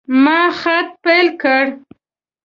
ما خط پیل کړ.